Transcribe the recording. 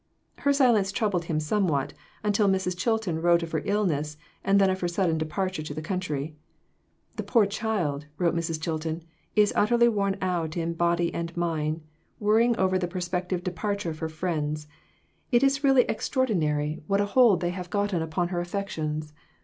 Her silence troubled him somewhat, until Mrs. Chilton wrote of her illness and then of her sudden departure to the country. "The poor child," wrote Mrs. Chilton, "is utterly worn out in body and mind, worrying over the prospective departure of her friends ; it is really extraordinary 416 j. s. R. what a hold they have gotten upon her affections.